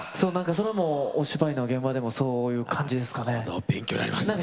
お芝居の現場でもそういう感じですかね